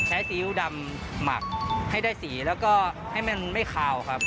ซีอิ๊วดำหมักให้ได้สีแล้วก็ให้มันไม่คาวครับ